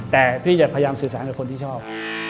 แต่พี่จะพยายามสื่อสารกับคนที่ชอบ